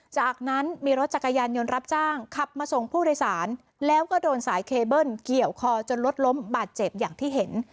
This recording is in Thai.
จากนั้นมีรถจักรยานยนต์รับจ้างขับมาส่งผู้โดยสารแล้วก็โดนสายเคเบิ้ลเกี่ยวคอจนรถล้มบาดเจ็บอย่างที่เห็น